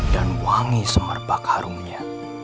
dan wangi semerbak harumnya